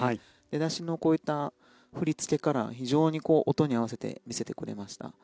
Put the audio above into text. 出だしのこういった振り付けから非常に音に合わせて見せてくれました。